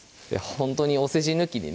ほんとにお世辞抜きでね